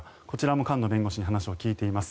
菅野弁護士に話を伺っています。